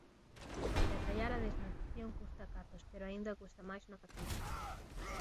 Porque atallar a desnutrición custa cartos pero aínda custa máis non facelo.